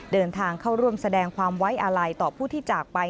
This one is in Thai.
เดินทางเข้าร่วมแสดงความไว้อาลัยต่อผู้ที่จากไป